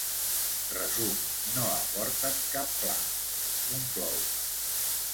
“Resum: no aporten cap pla”, conclou.